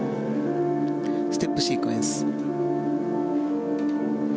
ステップシークエンス。